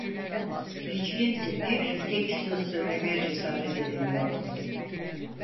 Hiç kimse bir tek söz söylemeye cesaret edemiyordu.